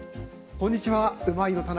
こんにちは。